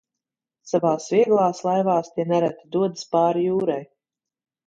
Savās vieglās laivās tie nereti dodas pāri jūrai.